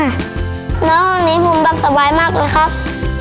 น้องวันนี้ผมแบบสบายมากเลยครับ